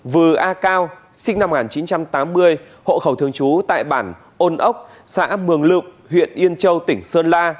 vư a cao sinh năm một nghìn chín trăm tám mươi hộ khẩu thường trú tại bản ôn ốc xã mường lụng huyện yên châu tỉnh sơn la